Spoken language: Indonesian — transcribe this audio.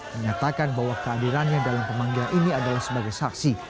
menyatakan bahwa kehadirannya dalam pemanggilan ini adalah sebagai saksi